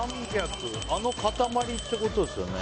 あの塊ってことですよね。